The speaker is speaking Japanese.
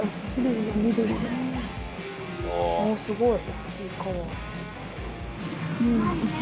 すごい。